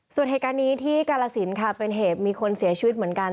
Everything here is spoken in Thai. ส่วนเหตุการณ์นี้ที่กาลสินค่ะเป็นเหตุมีคนเสียชีวิตเหมือนกัน